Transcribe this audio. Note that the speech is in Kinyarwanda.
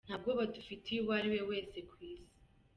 Nta bwoba dufitiye uwo ariwe wese ku Isi.